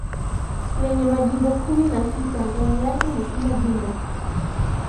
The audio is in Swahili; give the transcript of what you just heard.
Lenye majimbo kumi nasita ndani yake na kila jimbo